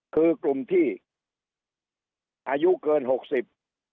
คือกลุ่มที่อายุเกินหกสิบ